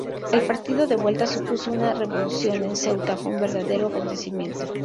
El partido de vuelta supuso una revolución en Ceuta, fue un verdadero acontecimiento.